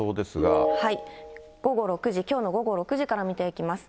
午後６時、きょうの午後６時から見ていきます。